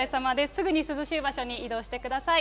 すぐに涼しい場所に移動してください。